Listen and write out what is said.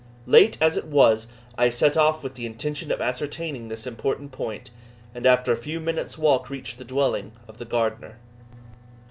Late as it was, I set off with the intention of ascertaining this important point, and after a few minutes' walk reached the dwelling of the gardener.